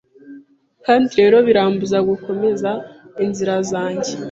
Kandi rero birambuza gukomeza inzira zanjye